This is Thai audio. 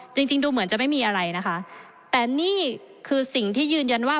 จริงจริงดูเหมือนจะไม่มีอะไรนะคะแต่นี่คือสิ่งที่ยืนยันว่า